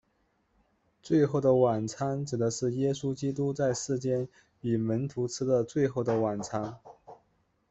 最后的晚餐指的是耶稣基督在世间与门徒吃的最后的晚餐。